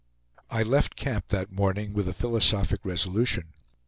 I left camp that morning with a philosophic resolution.